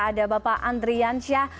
ada bapak andri yansyah